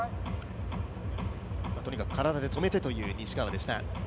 とにかく体で止めてという西川でした。